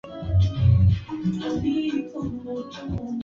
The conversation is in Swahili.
Maembe tamu.